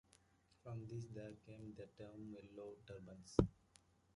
From this there came the term Yellow Turbans.